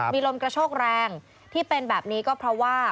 มีลมกระโชกแรงที่เป็นแบบนี้ก็เพราะว่า